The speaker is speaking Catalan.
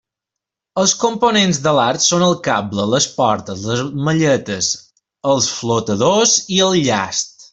Els components de l'art són el cable, les portes, les malletes, els flotadors i el llast.